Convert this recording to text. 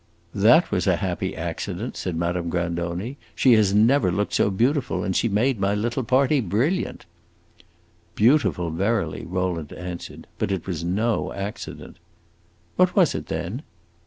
"That was a happy accident!" said Madame Grandoni. "She never looked so beautiful, and she made my little party brilliant." "Beautiful, verily!" Rowland answered. "But it was no accident." "What was it, then?"